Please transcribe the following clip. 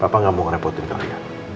papa gak mau ngerepotin kalian